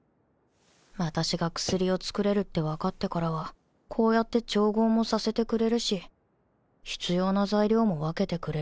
私が薬を作れるって分かってからはこうやって調合もさせてくれるし必要な材料も分けてくれる